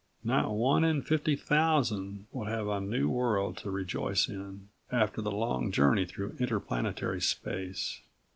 Not one in fifty thousand would have a new world to rejoice in, after the long journey through interplanetary space.